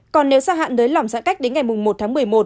còn nếu gia hạn nới lỏng giãn cách đến ngày một tháng một mươi một